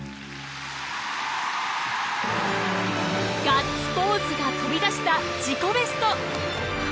ガッツポーズが飛び出した自己ベスト。